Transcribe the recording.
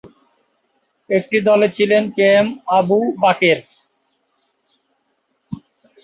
একটি দলে ছিলেন কে এম আবু বাকের।